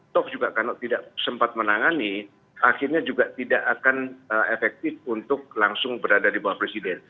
toh juga kalau tidak sempat menangani akhirnya juga tidak akan efektif untuk langsung berada di bawah presiden